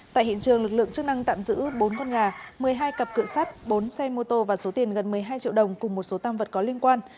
tại hiện trường lực lượng chức năng tạm giữ bốn con gà một mươi hai cặp cửa sắt bốn xe mô tô và số tiền gần một mươi hai triệu đồng cùng một số tam vật có liên quan